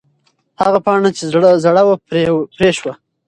هغه پاڼه چې زړه وه، پرې شوه.